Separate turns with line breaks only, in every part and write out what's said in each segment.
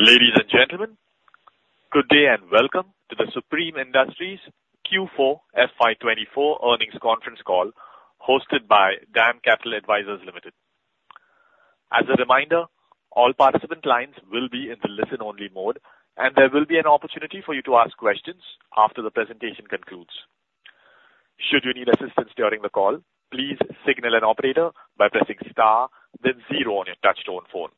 Ladies and gentlemen, good day and welcome to the Supreme Industries Q4 FY 2024 earnings conference call hosted by DAM Capital Advisors Limited. As a reminder, all participant lines will be in the listen-only mode, and there will be an opportunity for you to ask questions after the presentation concludes. Should you need assistance during the call, please signal an operator by pressing star, then zero on your touch-tone phone.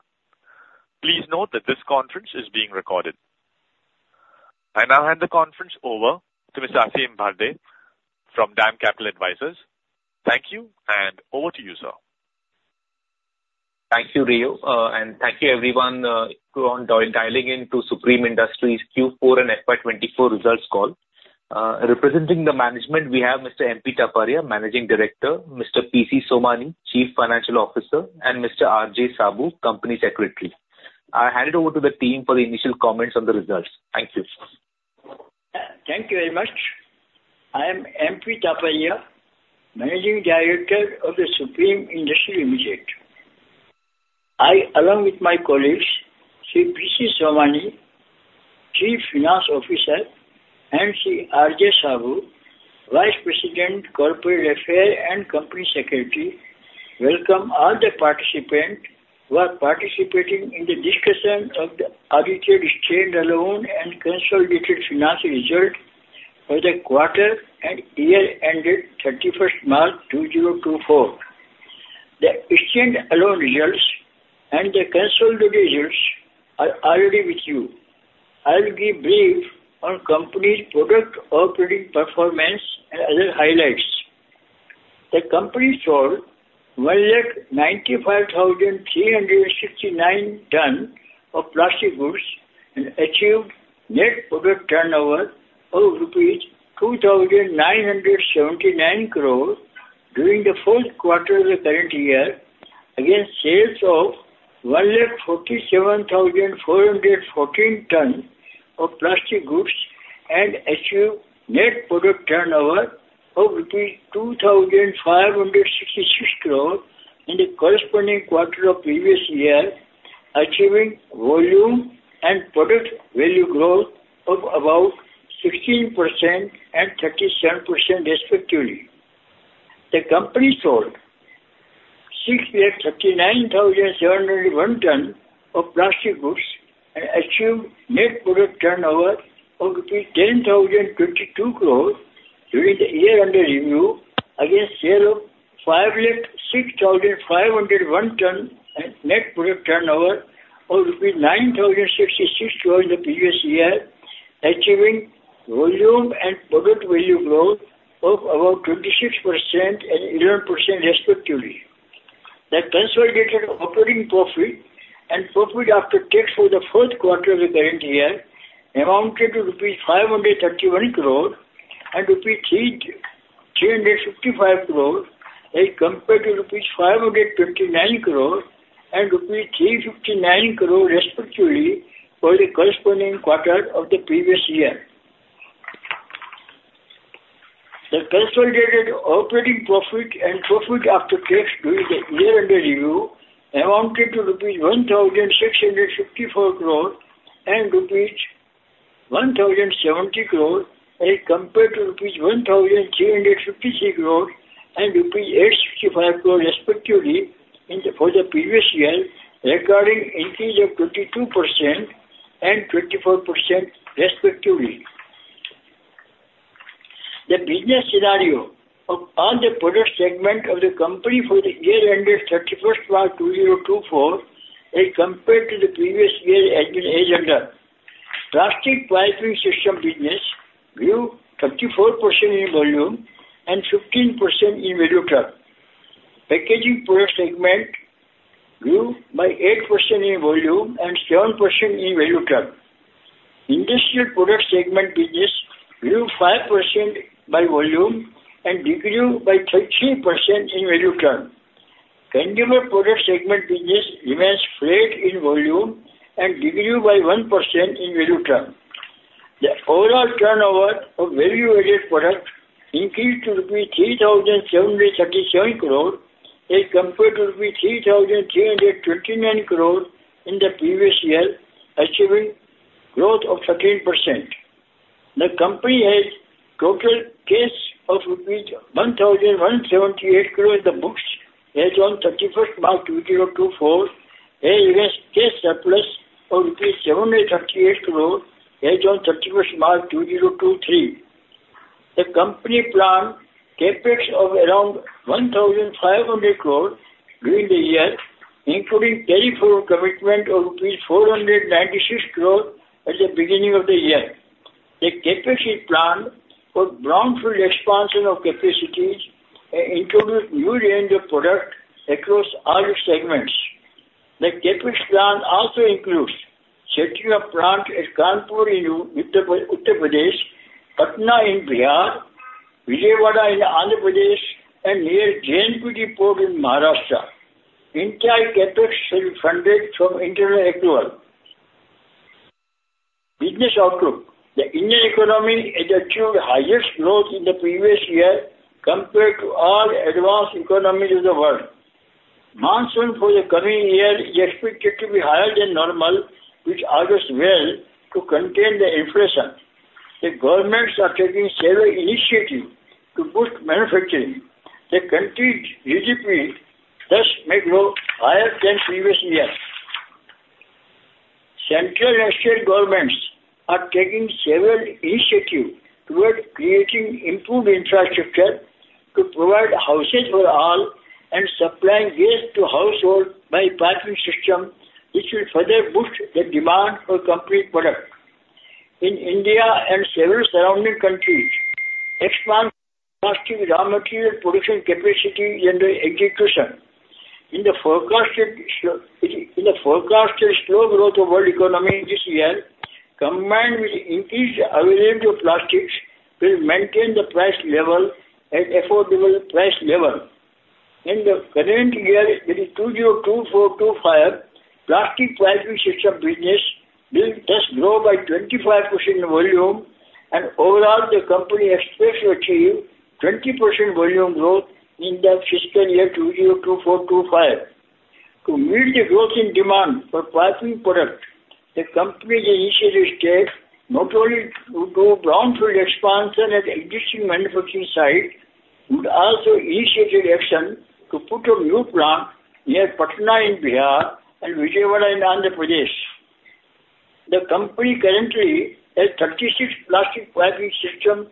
Please note that this conference is being recorded. I now hand the conference over to Mr. Aasim Bharde from DAM Capital Advisors. Thank you, and over to you, sir.
Thank you, Rio, and thank you everyone who are dialing in to Supreme Industries Q4 and FY 2024 results call. Representing the management, we have Mr. M.P. Taparia, Managing Director, Mr. P.C. Somani, Chief Financial Officer, and Mr. R.J. Saboo, Company Secretary. I hand it over to the team for the initial comments on the results. Thank you.
Thank you very much. I am M.P. Taparia, Managing Director of Supreme Industries Limited. I, along with my colleagues, Mr. P.C. Somani, Chief Financial Officer, and Mr. R.J. Saboo, Vice President, Corporate Affairs and Company Secretary, welcome all the participants who are participating in the discussion of the audited standalone and consolidated financial results for the quarter and year ended 31st March 2024. The standalone results and the consolidated results are already with you. I will give a brief on the company's product operating performance and other highlights. The company sold 195,369 tons of plastic goods and achieved net product turnover of rupees 2,979 crore during the fourth quarter of the current year, against sales of 147,414 tons of plastic goods and achieved net product turnover of 2,566 crore in the corresponding quarter of the previous year, achieving volume and product value growth of about 16% and 37% respectively. The company sold 639,701 tons of plastic goods and achieved net product turnover of 10,022 crore during the year-end review, against sales of 506,501 tons and net product turnover of 9,066 crore in the previous year, achieving volume and product value growth of about 26% and 11% respectively. The consolidated operating profit and profit after tax for the fourth quarter of the current year amounted to rupees 531 crore and rupees 355 crore, as compared to rupees 529 crore and rupees 359 crore respectively for the corresponding quarter of the previous year. The consolidated operating profit and profit after tax during the year-end review amounted to rupees 1,654 crore and rupees 1,070 crore, as compared to rupees 1,353 crore and rupees 865 crore respectively for the previous year, recording an increase of 22% and 24% respectively. The business scenario of all the product segments of the company for the year-ended 31st March 2024, as compared to the previous year as mentioned above, plastic piping system business grew 34% in volume and 15% in value turn. Packaging product segment grew by 8% in volume and 7% in value turn. Industrial product segment business grew 5% by volume and decreased by 33% in value turn. Consumer product segment business remains flat in volume and decreased by 1% in value turn. The overall turnover of value-added product increased to 3,737 crore rupees, as compared to 3,329 crore rupees in the previous year, achieving a growth of 13%. The company has a total cash of INR 1,178 crore in the books as of 31st March 2024, as against cash surplus of INR 738 crore as of 31st March 2023. The company planned CapEx of around 1,500 crore during the year, including carry-forward commitment of rupees 496 crore at the beginning of the year. The CapEx is planned for greenfield expansion of capacities and to introduce a new range of products across all the segments. The CapEx plan also includes setting up a plant at Kanpur in Uttar Pradesh, Patna in Bihar, Vijayawada in Andhra Pradesh, and near JNPT in Maharashtra. The entire CapEx will be funded from internal accruals. Business outlook: the Indian economy has achieved the highest growth in the previous year compared to all advanced economies of the world. The monsoon for the coming year is expected to be higher than normal, which bodes well to contain the inflation. The governments are taking several initiatives to boost manufacturing. The country's GDP thus may grow higher than previous years. Central and state governments are taking several initiatives toward creating improved infrastructure to provide houses for all and supplying gas to households by piping systems, which will further boost the demand for the company's products. In India and several surrounding countries, expand plastic raw material production capacity and execution. In the forecasted slow growth of the world economy this year, combined with the increased availability of plastics, we will maintain the price level at an affordable price level. In the current year 2024-25, plastic piping system business will thus grow by 25% in volume, and overall the company expects to achieve 20% volume growth in the fiscal year 2024-25. To meet the growth in demand for piping products, the company's initiative states not only to do greenfield expansion at the existing manufacturing sites, but also initiated actions to put up new plants near Patna in Bihar and Vijayawada in Andhra Pradesh. The company currently has 36 plastic piping systems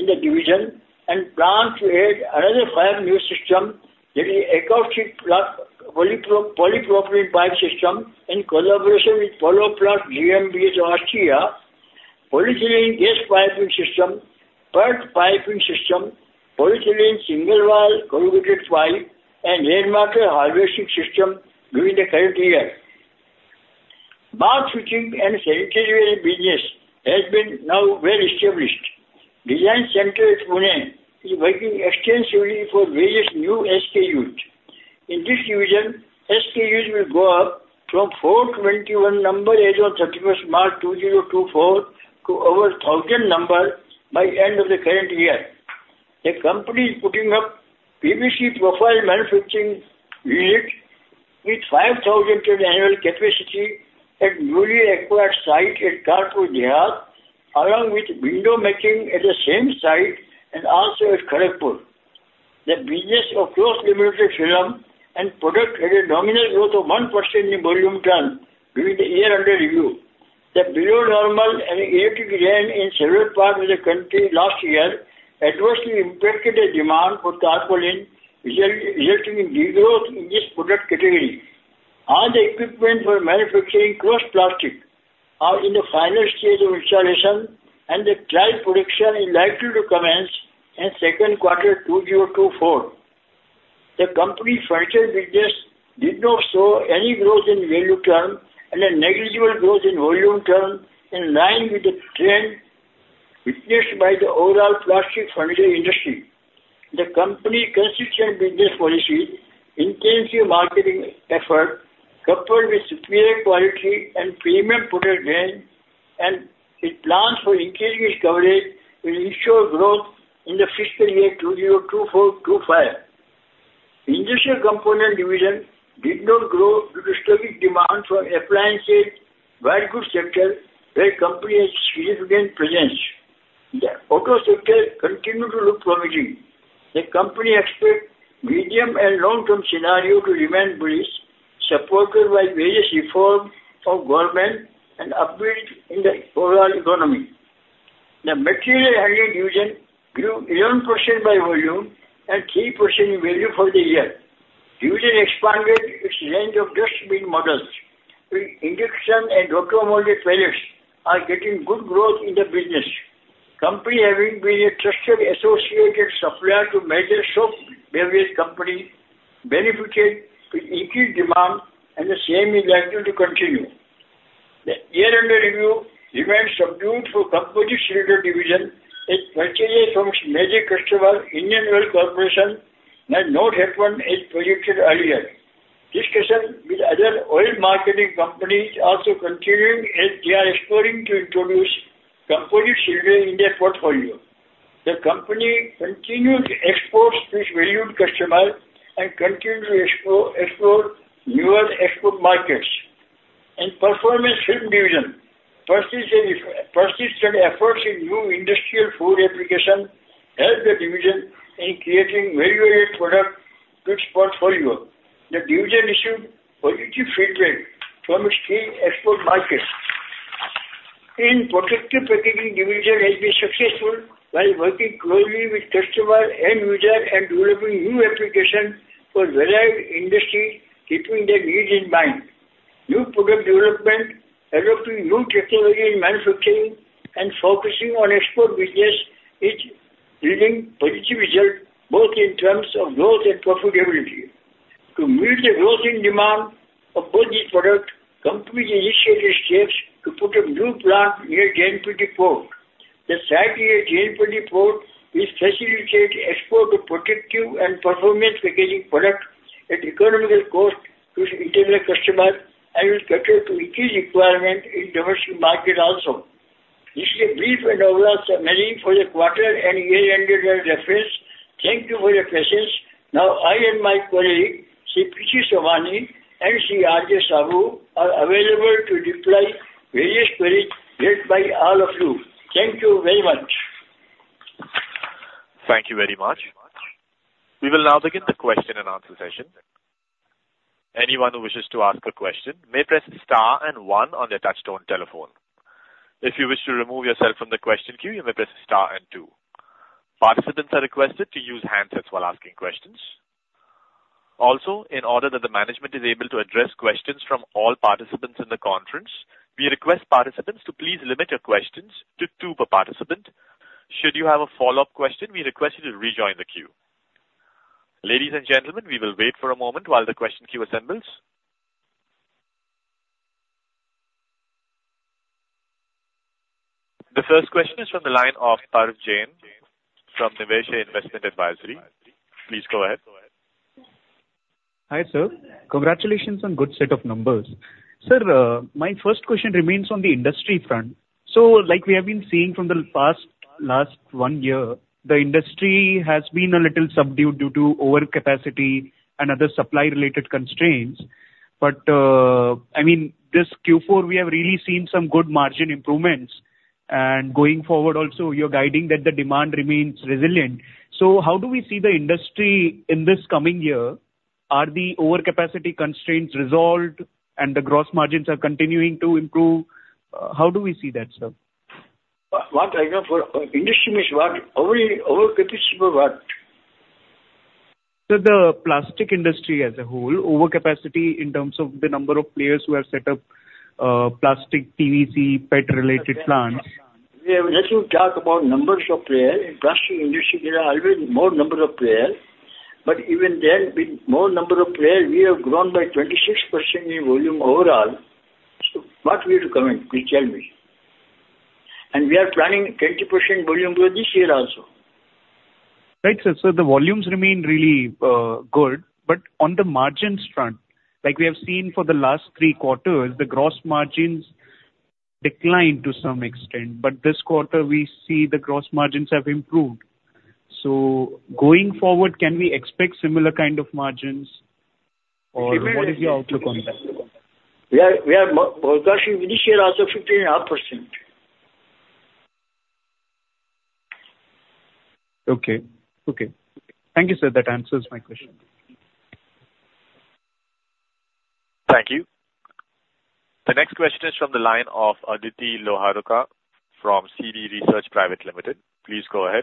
in the division and plans to add another 5 new systems, namely an acoustic polypropylene pipe system in collaboration with Poloplast GmbH of Austria, polyethylene gas piping system, PERT piping system, polyethylene single-wall corrugated pipe, and rainwater harvesting systems during the current year. Bath fittings and sanitary business has been now well established. The design center at Pune is working extensively for various new SKUs. In this division, SKUs will go up from 421 numbers as of 31st March 2024 to over 1,000 numbers by the end of the current year. The company is putting up PVC profile manufacturing units with 5,000 tons annual capacity at the newly acquired site at Kanpur, Bihar, along with window making at the same site and also at Kharagpur. The business of cross-laminated film and products had a nominal growth of 1% in volume turns during the year-end review. The below-normal and erratic rain in several parts of the country last year adversely impacted the demand for tarpaulin, resulting in degrowth in this product category. All the equipment for manufacturing cross plastics are in the final stage of installation, and the trial production is likely to commence in second quarter 2024. The company's furniture business did not show any growth in value turns and a negligible growth in volume turns in line with the trend witnessed by the overall plastic furniture industry. The company's consistent business policies, intensive marketing efforts, coupled with superior quality and premium product range, and its plans for increasing its coverage will ensure growth in the fiscal year 2024-25. The industrial component division did not grow due to steady demand from appliances and white goods sectors, where the company has significant presence. The auto sector continues to look promising. The company expects a medium and long-term scenario to remain bullish, supported by various reforms of government and upbeat in the overall economy. The material handling division grew 11% by volume and 3% in value for the year. The division expanded its range of dustbin models. Injection and auto-molded pallets are getting good growth in the business. The company, having been a trusted associate supplier to major soap and bearing companies, benefited from increased demand, and the same is likely to continue. The year-end review remains subdued for the composite cylinder division, as purchases from its major customer, Indian Oil Corporation, have not happened as projected earlier. Discussions with other oil marketing companies are also continuing, as they are exploring to introduce composite cylinders in their portfolio. The company continues to export to its valued customers and continues to explore newer export markets. The performance film division persists in efforts in new industrial food applications and helps the division in creating value-added products for its portfolio. The division received positive feedback from its key export markets. The protective packaging division has been successful by working closely with customers and users and developing new applications for varied industries, keeping their needs in mind. New product development, adopting new technologies in manufacturing, and focusing on export business is yielding positive results both in terms of growth and profitability. To meet the growth in demand for both these products, the company has initiated steps to put up a new plant near JNPT. The site near JNPT facilitates export of protective and performance packaging products at economical cost to its international customers and will cater to increased requirements in the domestic market also. This is a brief and overall summary for the quarter and year-end reference. Thank you for your patience. Now, I and my colleague, Mr. P.C. Somani and Mr. R.J. Sabu, are available to reply to various queries read by all of you. Thank you very much.
Thank you very much. We will now begin the question and answer session. Anyone who wishes to ask a question may press star and one on their touch-tone telephone. If you wish to remove yourself from the question queue, you may press star and two. Participants are requested to use handsets while asking questions. Also, in order that the management is able to address questions from all participants in the conference, we request participants to please limit your questions to two per participant. Should you have a follow-up question, we request you to rejoin the queue. Ladies and gentlemen, we will wait for a moment while the question queue assembles. The first question is from the line of Parv Jain, from Niveshaay Investment Advisory. Please go ahead.
Hi, sir. Congratulations on a good set of numbers. Sir, my first question remains on the industry front. So, like we have been seeing from the past one year, the industry has been a little subdued due to overcapacity and other supply-related constraints. But, I mean, this Q4, we have really seen some good margin improvements. And going forward also, you're guiding that the demand remains resilient. So, how do we see the industry in this coming year? Are the overcapacity constraints resolved and the gross margins continuing to improve? How do we see that, sir?
What? I know for industry means what? Overcapacity for what?
Sir, the plastic industry as a whole, overcapacity in terms of the number of players who have set up plastic, PVC, PET-related plants.
Let's not talk about numbers of players. In the plastic industry, there are always more numbers of players. But even then, with more numbers of players, we have grown by 26% in volume overall. So, what do you have to comment? Please tell me. And we are planning 20% volume growth this year also.
Right, sir. So, the volumes remain really good. But on the margins front, like we have seen for the last three quarters, the gross margins declined to some extent. But this quarter, we see the gross margins have improved. So, going forward, can we expect similar kinds of margins? Or what is your outlook on that?
We are forecasting this year also 15.5%.
Okay. Okay. Thank you, sir. That answers my question.
Thank you. The next question is from the line of Aditi Loharuka from CD Equisearch Private Limited. Please go ahead.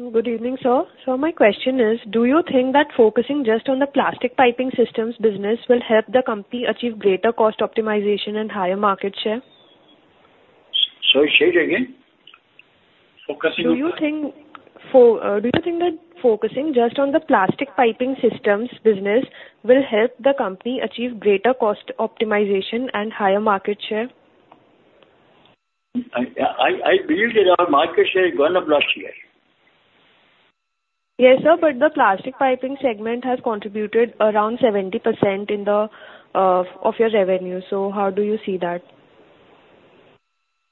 Good evening, sir. Sir, my question is, do you think that focusing just on the plastic piping systems business will help the company achieve greater cost optimization and higher market share?
Sorry, say it again. Focusing on.
Do you think that focusing just on the plastic piping systems business will help the company achieve greater cost optimization and higher market share?
I believe that our market share is going up last year.
Yes, sir. But the plastic piping segment has contributed around 70% of your revenue. So, how do you see that?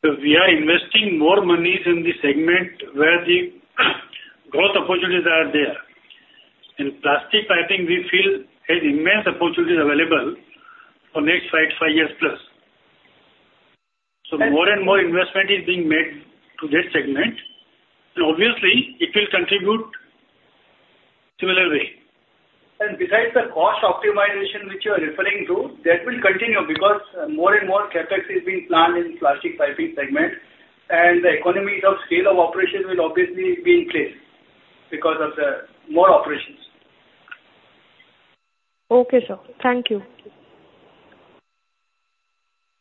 Sir, we are investing more monies in the segment where the growth opportunities are there. In plastic piping, we feel there are immense opportunities available for the next five years plus. So, more and more investment is being made to that segment. Obviously, it will contribute in a similar way. Besides the cost optimization which you are referring to, that will continue because more and more CapEx is being planned in the plastic piping segment. The economies of scale of operations will obviously be in place because of more operations.
Okay, sir. Thank you.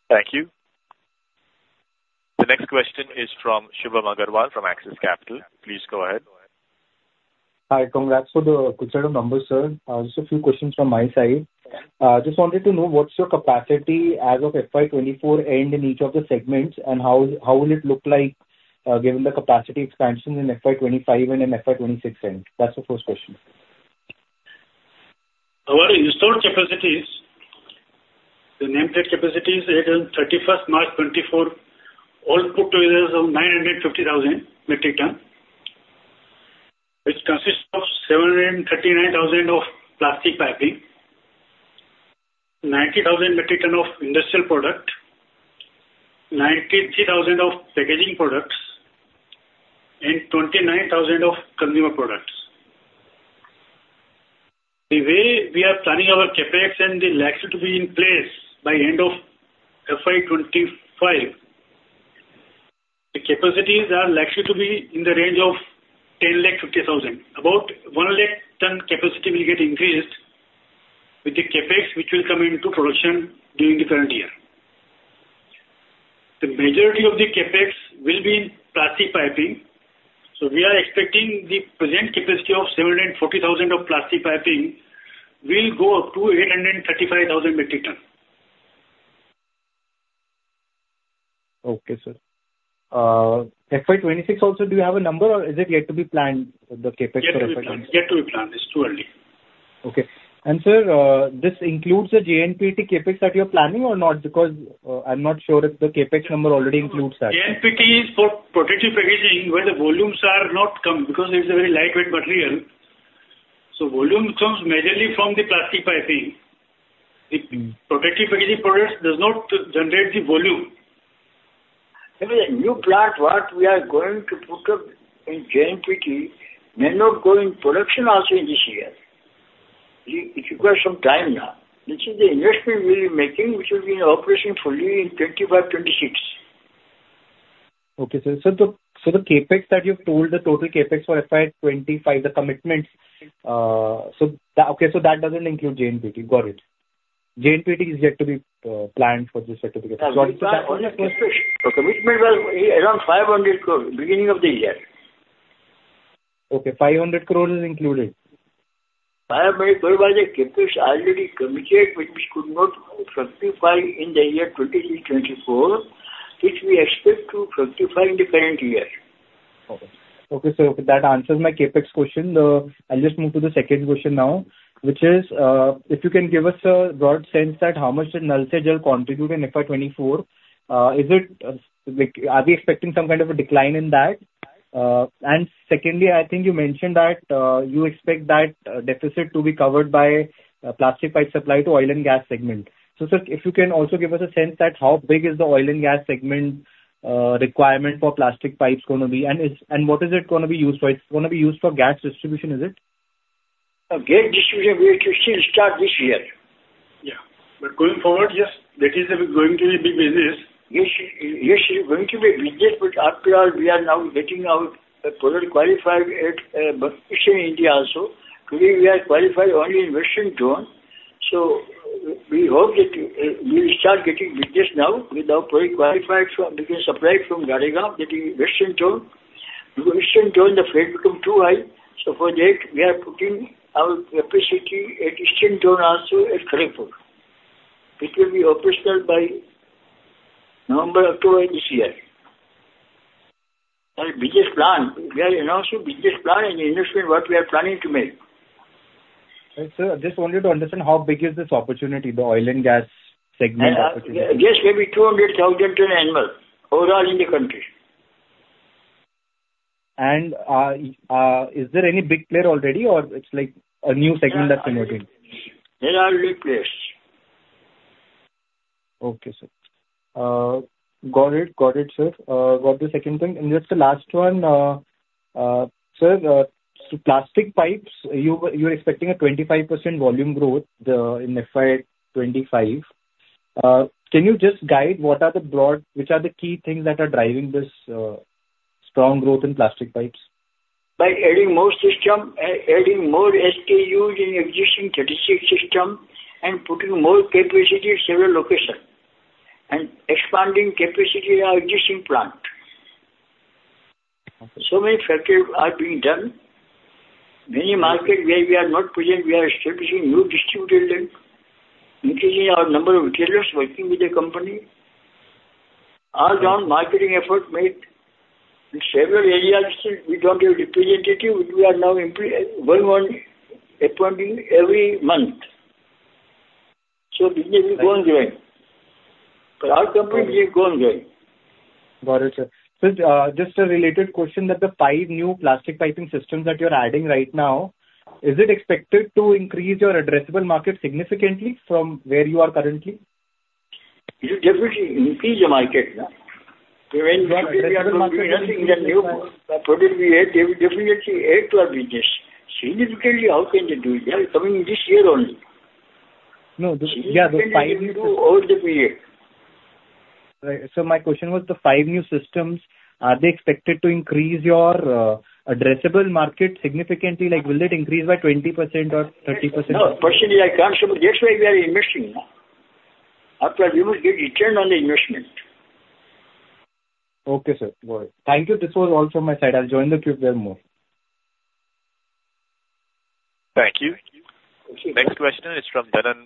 Thank you. The next question is from Shubham Agarwal from Axis Capital. Please go ahead.
Hi. Congrats for the strong set of numbers, sir. Just a few questions from my side. I just wanted to know, what's your capacity as of FY 2024 end in each of the segments, and how will it look like given the capacity expansion in FY 2025 and in FY 2026 end? That's the first question.
About the installed capacities, the nameplate capacities as of 31st March 2024, all put together are 950,000 metric tons. It consists of 739,000 of plastic piping, 90,000 metric tons of industrial product, 93,000 of packaging products, and 29,000 of consumer products. The way we are planning our CapEx and the likelihood to be in place by the end of FY 2025, the capacities are likely to be in the range of 1,050,000. About 1,000,000-ton capacity will get increased with the CapEx which will come into production during the current year. The majority of the CapEx will be in plastic piping. So, we are expecting the present capacity of 740,000 of plastic piping will go up to 835,000 metric tons.
Okay, sir. FY 2026 also, do you have a number, or is it yet to be planned, the CapEx for FY 2026?
Yet to be planned. Yet to be planned. It's too early.
Okay. And, sir, this includes the JNPT Capex that you're planning or not? Because I'm not sure if the Capex number already includes that.
JNPT is for protective packaging where the volumes are not because it's a very lightweight material. So, volume comes majorly from the plastic piping. The protective packaging products do not generate the volume.
Anyway, a new plant what we are going to put up in JNPT may not go in production also in this year. It requires some time now. This is the investment we're making which will be operating fully in 2025, 2026.
Okay, sir. So, the CapEx that you've told, the total CapEx for FY 2025, the commitments, okay, so that doesn't include JNPT. Got it. JNPT is yet to be planned for this certification.
The CapEx for JNPT, the commitment was around 500 crore beginning of the year.
Okay. 500 crore is included.
500 crore was a CapEx already committed which we could not fructify in the year 2023, 2024, which we expect to fructify in the current year.
Okay. Okay, sir. That answers my CapEx question. I'll just move to the second question now, which is, if you can give us a broad sense of how much the Nal Se Jal will contribute in FY 2024, are we expecting some kind of a decline in that? And secondly, I think you mentioned that you expect that deficit to be covered by plastic pipe supply to oil and gas segment. So, sir, if you can also give us a sense of how big is the oil and gas segment requirement for plastic pipes going to be, and what is it going to be used for? It's going to be used for gas distribution, is it?
Gas distribution, we have to still start this year.
Yeah. But going forward, yes, that is going to be a big business.
Yes, it is going to be a big business. But after all, we are now getting our product qualified at Western India also. Today, we are qualified only in Western zone. So, we hope that we will start getting business now with our product qualified because supply from Gadegaon, that is in Western zone. Because in Western zone, the freight becomes too high. So, for that, we are putting our capacity at Eastern zone also at Kharagpur. It will be operational by November, October this year. That is a business plan. We are announcing a business plan and investment what we are planning to make.
Right, sir. I just wanted to understand how big is this opportunity, the oil and gas segment opportunity?
Yes, maybe 200,000 tons annual, overall in the country.
Is there any big player already, or it's like a new segment that's emerging?
There are new players.
Okay, sir. Got it. Got it, sir. Got the second thing. That's the last one. Sir, plastic pipes, you're expecting a 25% volume growth in FY 2025. Can you just guide what are the broad which are the key things that are driving this strong growth in plastic pipes?
By adding more systems, adding more SKUs in existing 36 systems, and putting more capacity in several locations, and expanding capacity in our existing plant. So many factories are being done. Many markets where we are not present, we are establishing new distributors then, increasing our number of retailers working with the company. All down marketing efforts made in several areas. We don't have representatives, which we are now one-on-one appointing every month. So, business is going great. For our company, business is going great.
Got it, sir. Sir, just a related question that the five new plastic piping systems that you're adding right now, is it expected to increase your addressable market significantly from where you are currently?
It will definitely increase the market now. When we are doing nothing in the new product we add, they will definitely add to our business significantly. How can they do it? They are coming this year only.
No. Yeah. The five new.
They will increase over the period.
Right. So, my question was, the five new systems, are they expected to increase your addressable market significantly? Will it increase by 20% or 30%?
No. Personally, I can't say. But that's why we are investing now. After all, we must get return on the investment.
Okay, sir. Got it. Thank you. This was all from my side. I'll join the queue for more.
Thank you. Next question is from Dharan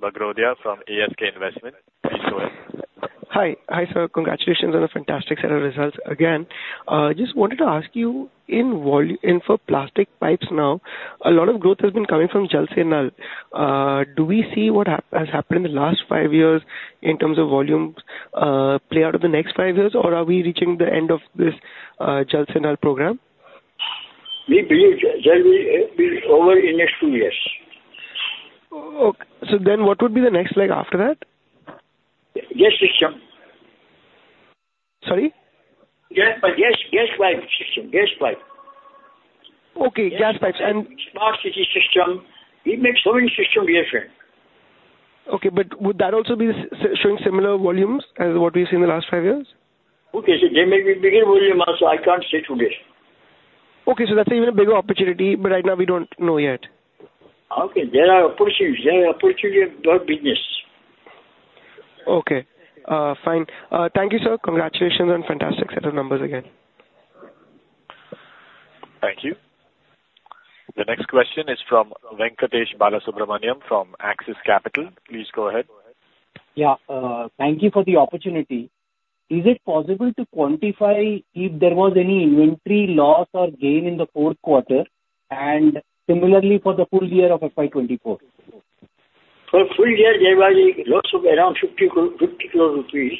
Bagrodia from ASK Investment. Please go ahead.
Hi. Hi, sir. Congratulations on the fantastic set of results again. I just wanted to ask you, for plastic pipes now, a lot of growth has been coming from Jal Jeevan Mission. Do we see what has happened in the last five years in terms of volume play out of the next five years, or are we reaching the end of this Jal Jeevan Mission program?
We believe it will be over in the next two years.
Okay. So then, what would be the next leg after that?
Gas system. Sorry?
Gas pipe.
Yes, gas pipe system. Gas pipe.
Okay. Gas pipes. And.
Smart city system. It makes so many systems different.
Okay. But would that also be showing similar volumes as what we've seen in the last five years?
Okay. There may be bigger volume also. I can't say today.
Okay. So, that's even a bigger opportunity, but right now, we don't know yet.
Okay. There are opportunities. There are opportunities for business.
Okay. Fine. Thank you, sir. Congratulations on fantastic set of numbers again.
Thank you. The next question is from Venkatesh Balasubramaniam from Axis Capital. Please go ahead.
Yeah. Thank you for the opportunity. Is it possible to quantify if there was any inventory loss or gain in the fourth quarter, and similarly for the full year of FY 2024?
For the full year, there was a loss of around 50 crore rupees.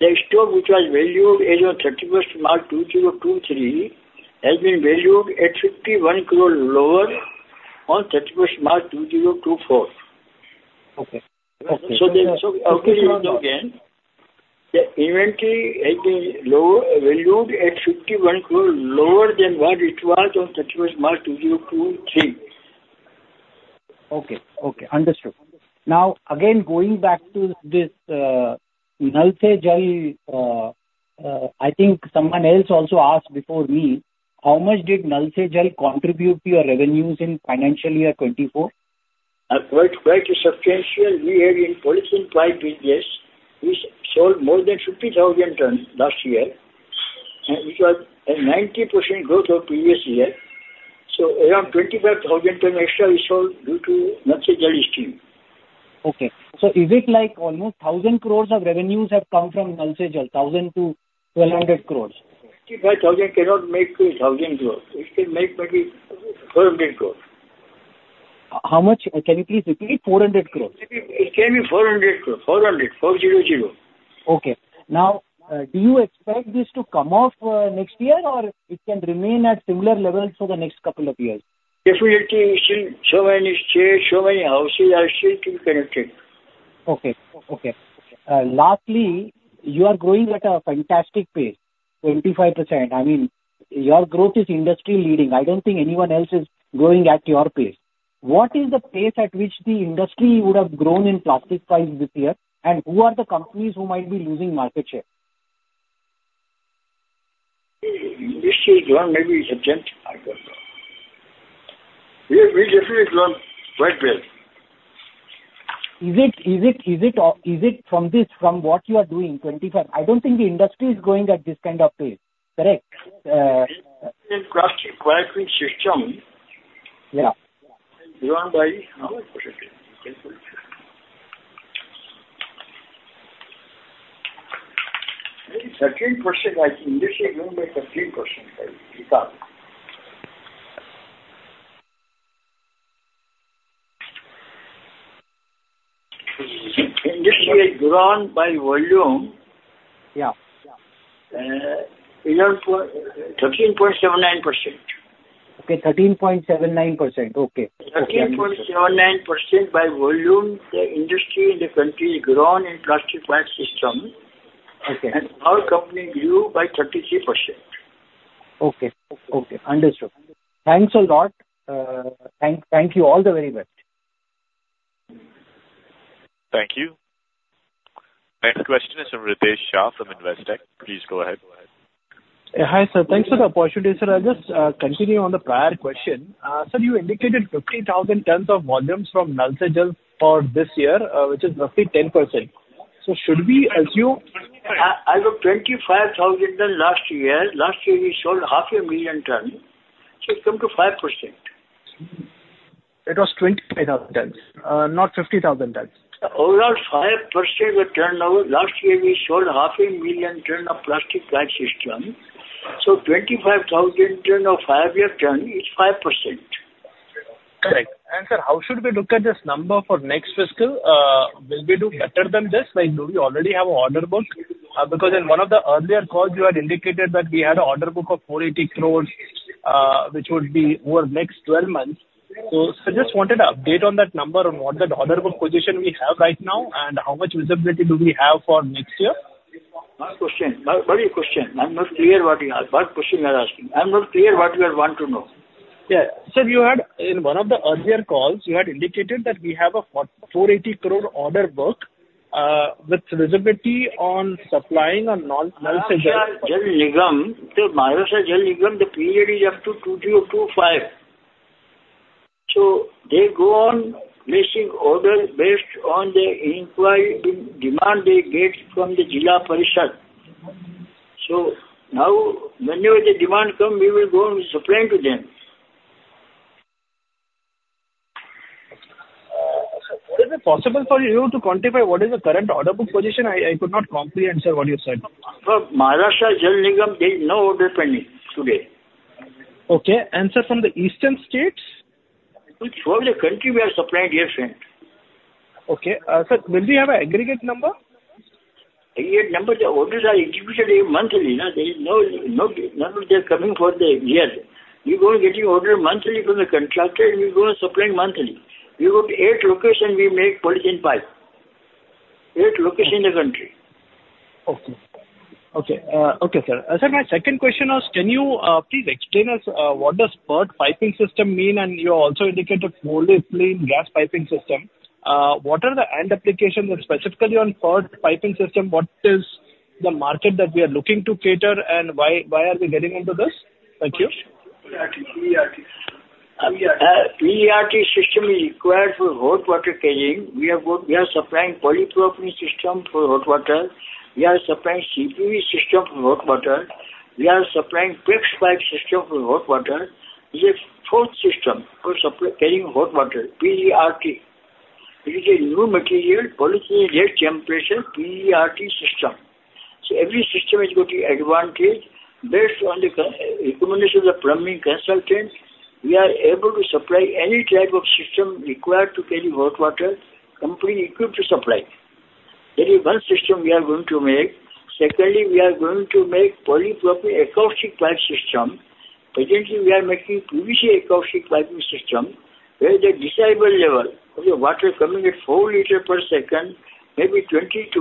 The stock which was valued as of 31st March 2023 has been valued at 51 crore lower on 31st March 2024. So, again, the inventory has been valued at 51 crore lower than what it was on 31st March 2023.
Okay. Okay. Understood. Now, again, going back to this Nal Se Jal, I think someone else also asked before me, how much did Nal Se Jal contribute to your revenues in financial year 2024?
Quite substantial. We had in polythene pipe business, we sold more than 50,000 tons last year, which was a 90% growth of previous year. So, around 25,000 tons extra we sold due to Nal Se Jal scheme.
Okay. So, is it like almost 1,000 crore of revenues have come from Nal Se Jal, 1,000 crore-1,200 crore?
55,000 cannot make 1,000 crores. It can make maybe 400 crores.
How much? Can you please repeat? 400 crore.
It can be 400 crore. 400. 400.
Okay. Now, do you expect this to come off next year, or it can remain at similar levels for the next couple of years?
Definitely, still so many shares, so many houses are still connected.
Okay. Okay. Lastly, you are growing at a fantastic pace, 25%. I mean, your growth is industry-leading. I don't think anyone else is growing at your pace. What is the pace at which the industry would have grown in plastic pipes this year, and who are the companies who might be losing market share?
This will grow maybe subjective. I don't know. We will definitely grow quite well.
Is it from this, from what you are doing, 25? I don't think the industry is going at this kind of pace, correct?
Plastic Piping System grown by how much percentage? Maybe 13%. I think this is grown by 13% by value. Industry has grown by volume around 13.79%.
Okay. 13.79%. Okay.
13.79% by volume, the industry in the country has grown in plastic piping system, and our company grew by 33%.
Okay. Okay. Understood. Thanks a lot. Thank you all the very best.
Thank you. Next question is from Ritesh Shah from Investec. Please go ahead.
Hi, sir. Thanks for the opportunity, sir. I'll just continue on the prior question. Sir, you indicated 50,000 tons of volumes from Nal Se Jal for this year, which is roughly 10%. So, should we assume?
We sold 25,000 tons last year. Last year, we sold 500,000 tons. So, it's come to 5%.
It was 25,000 tons, not 50,000 tons.
Overall, 5% of turnover. Last year, we sold 500,000 tons of plastic pipe system. So, 25,000 tons of the turnover is 5%.
Correct. Sir, how should we look at this number for next fiscal? Will we do better than this? Do we already have an order book? Because in one of the earlier calls, you had indicated that we had an order book of 480 crore, which would be over the next 12 months. So, sir, just wanted an update on that number, on what that order book position we have right now, and how much visibility do we have for next year?
Last question. What is your question? I'm not clear what question you are asking. I'm not clear what you want to know.
Yeah. Sir, in one of the earlier calls, you had indicated that we have an 480 crore order book with visibility on supplying on Nal Se Jal.
Se Jal scheme, the period is up to 2025. They go on placing orders based on the inquiry demand they get from the Zila Parishad. Now, whenever the demand comes, we will go and supply to them.
Sir, would it be possible for you to quantify what is the current order book position? I could not comprehend, sir, what you said.
Nal Se Jal scheme, there is no order pending today.
Okay. And, sir, from the Eastern states?
Which all the countries we are supplying different?
Okay. Sir, will we have an aggregate number?
Aggregate number? The orders are executed monthly. None of them are coming for the year. We're going to be getting orders monthly from the contractor, and we're going to supply monthly. We go to 8 locations, we make polythene pipe. 8 locations in the country.
Sir, my second question was, can you please explain to us what the PERT piping system means? And you also indicated polyethylene gas piping system. What are the end applications? And specifically on PERT piping system, what is the market that we are looking to cater, and why are we getting into this? Thank you.
PERT system is required for hot water carrying. We are supplying polypropylene system for hot water. We are supplying CPVC system for hot water. We are supplying PEX pipe system for hot water. It's a fourth system for carrying hot water, PERT. It is a new material, polyethylene at low temperature, PERT system. So, every system is going to be advantaged. Based on the recommendation of the plumbing consultant, we are able to supply any type of system required to carry hot water, completely equipped to supply. There is one system we are going to make. Secondly, we are going to make polypropylene acoustic pipe system. Presently, we are making PVC acoustic piping system where the decibel level of the water coming at four liters per second may be 22.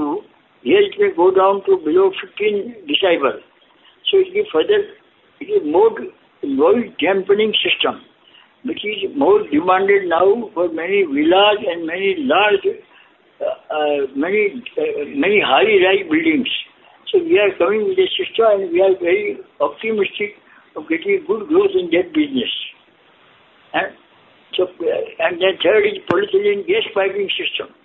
Here, it may go down to below 15 decibel. So, it gives further it is more noise-dampening system, which is more demanded now for many villas and many high-rise buildings. So, we are coming with this system, and we are very optimistic of getting good growth in that business. And then third is polythene gas piping system.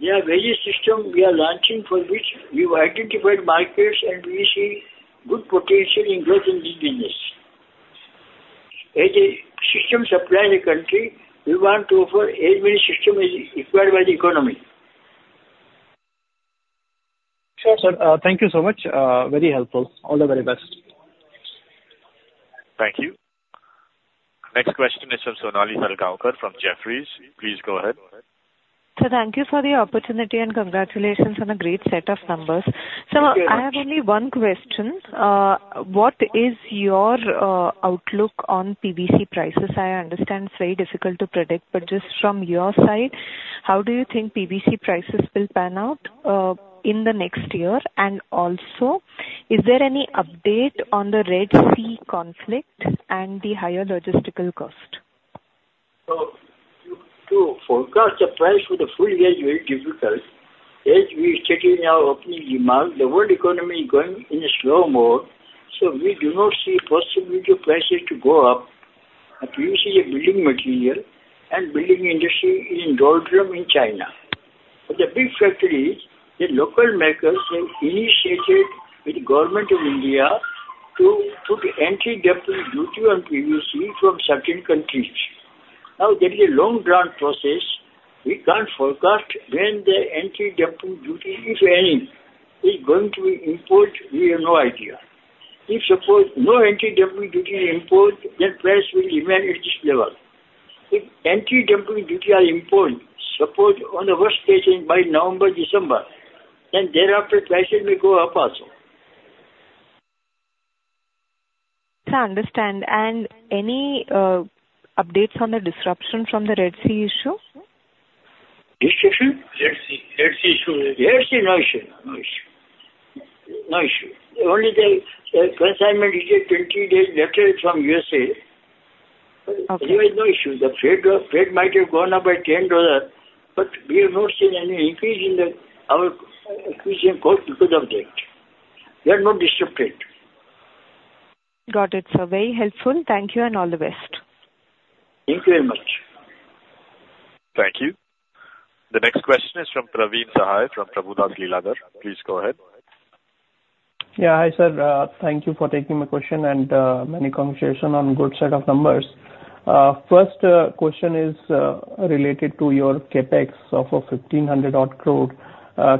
There are various systems we are launching for which we've identified markets, and we see good potential in growth in this business. As a system supply in the country, we want to offer as many systems as required by the economy.
Sure, sir. Thank you so much. Very helpful. All the very best.
Thank you. Next question is from Sonali Salgaonkar from Jefferies. Please go ahead. Sir, thank you for the opportunity, and congratulations on a great set of numbers. Sir, I have only one question. What is your outlook on PVC prices? I understand it's very difficult to predict, but just from your side, how do you think PVC prices will pan out in the next year? And also, is there any update on the Red Sea conflict and the higher logistical cost?
So, to forecast the price for the full year, it will be difficult. As we are seeing the opening demand, the world economy is going in a slow mode. So, we do not see possibility of prices to go up. PVC is a building material, and the building industry is in downturn in China. But the big factor is the local makers have initiated with the government of India to put anti-dumping duty on PVC from certain countries. Now, there is a long-drawn process. We can't forecast when the anti-dumping duty, if any, is going to be imposed. We have no idea. If, suppose, no anti-dumping duty is imposed, then price will remain at this level. If anti-dumping duty is imposed, suppose, on the worst case, by November, December, then thereafter, prices may go up also. Sir, understand. Any updates on the disruption from the Red Sea issue? Disruption? Red Sea issue. Red Sea, no issue. No issue. No issue. Only the consignment is a 20-day letter from the USA. Otherwise, no issue. The trade might have gone up by $10, but we have not seen any increase in our acquisition cost because of that. We are not disrupted. Got it, sir. Very helpful. Thank you, and all the best. Thank you very much.
Thank you. The next question is from Praveen Sahay from Prabhudas Lilladher. Please go ahead.
Yeah. Hi, sir. Thank you for taking my question and many conversations on a good set of numbers. First question is related to your CapEx of 1,500 crore.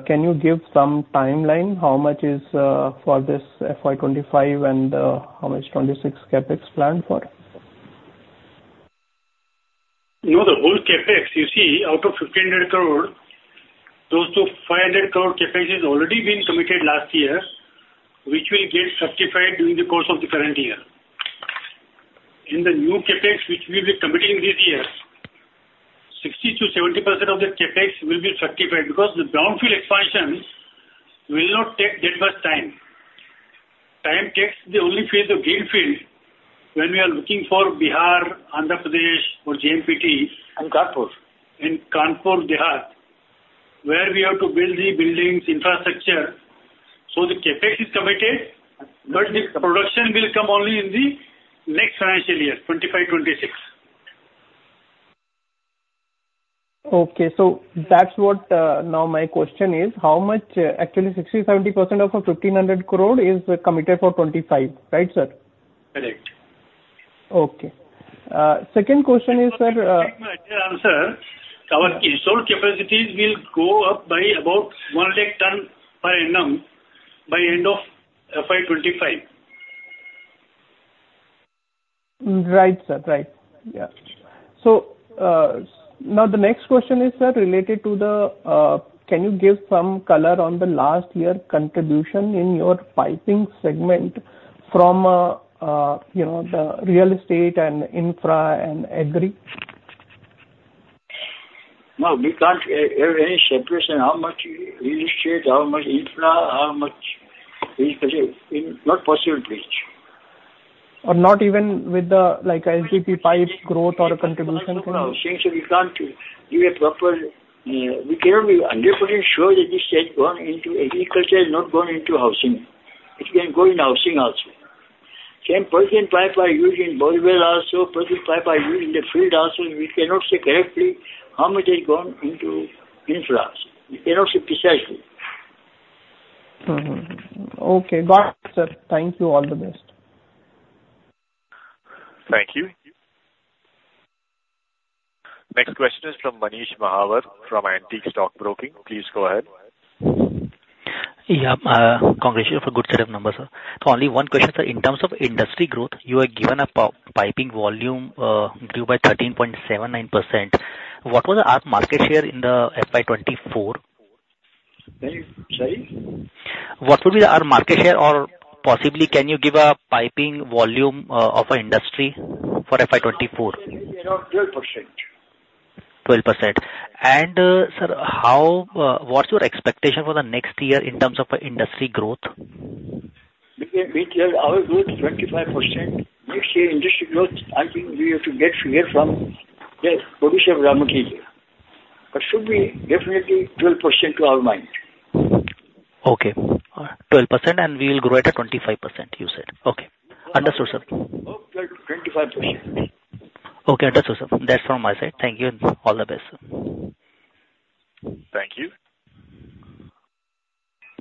Can you give some timeline? How much is for this FY 2025, and how much is 26 CapEx planned for?
No, the whole Capex, you see, out of 1,500 crore, those 2,500 crore Capex has already been committed last year, which will get certified during the course of the current year. In the new Capex, which we will be committing this year, 60%-70% of the Capex will be certified because the brownfield expansion will not take that much time. Time takes the only phase of greenfield when we are looking for Bihar, Andhra Pradesh, or JNPT.
And Kanpur.
And Kanpur Dehat, where we have to build the buildings, infrastructure. So, the capex is committed, but the production will come only in the next financial year, 2025, 2026.
Okay. So that's what now my question is. Actually, 60%-70% of 1,500 crore is committed for 2025, right, sir?
Correct.
Okay. Second question is, sir.
Very much answer. Our installed capacities will go up by about 1 lakh tons per annum by the end of FY 2025.
Right, sir. Right. Yeah. So now the next question is, sir, related to, can you give some color on the last year contribution in your piping segment from the real estate and infra and aggregate?
No, we can't have any separation. How much real estate? How much infra? How much not possible to reach?
Or not even with the HDPE pipe growth or contribution?
No, no. Since we can't give a proper we cannot be 100% sure that this has gone into agriculture, not gone into housing. It can go in housing also. Same polythene pipe are used in borewell also. Polythene pipe are used in the field also. We cannot say correctly how much has gone into infra. We cannot say precisely.
Okay. Got it, sir. Thank you. All the best.
Thank you. Next question is from Manish Mahawar from Antique Stock Broking. Please go ahead. Yeah. Congratulations for a good set of numbers, sir. So only one question, sir. In terms of industry growth, you are given a piping volume grew by 13.79%. What was our market share in the FY 2024?
Sorry? What would be our market share or possibly can you give a piping volume of an industry for FY 2024? 12%. 12%. Sir, what's your expectation for the next year in terms of industry growth? Our growth is 25%. Next year, industry growth, I think we have to get figures from the producer of raw material. But should be definitely 12% to our mind. Okay. 12%, and we will grow at a 25%, you said. Okay. Understood, sir. Hope 25%. Okay. Understood, sir. That's from my side. Thank you, and all the best, sir.
Thank you.